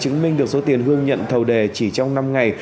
chứng minh được số tiền hương nhận thầu đề chỉ trong năm ngày